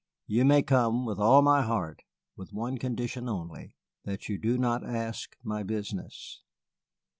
You may come, with all my heart, with one condition only that you do not ask my business."